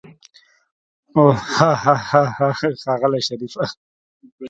اوح هاهاها ښاغلی شريفه.